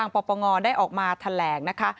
ปปงได้ออกมาแถลงนะคะ